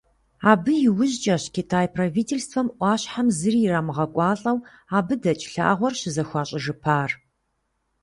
Абы иужькӀэщ Китай правительствэм Ӏуащхьэм зыри ирамыгъэкӀуалӀэу, абы дэкӀ лъагъуэр щызэхуащӀыжыпар.